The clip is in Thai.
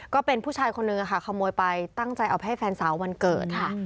ก็เป็นผู้ชายคนนึงค่ะขโมยไปตั้งใจเอาไปให้แฟนสาววันเกิดค่ะ